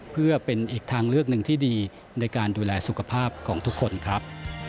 เพื่อเป็นอีกทางเลือกหนึ่งที่ดีในการดูแลสุขภาพของทุกคนครับ